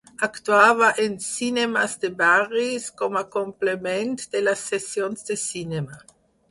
Actuava en cinemes de barris, com a complement de les sessions de cinema.